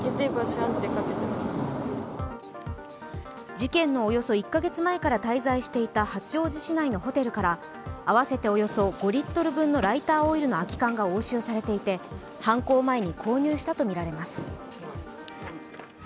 事件のおよそ１カ月前から滞在していた八王子市内のホテルから合わせておよそ５リットル分のライターオイルの空き缶が押収されていて犯行前に購入したとみられます。